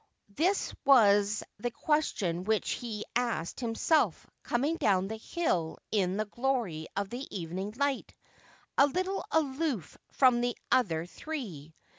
This was the question which he ;isked himself, coming down the hill in the glory of the evening li^/lit, .i little aloof from the other three.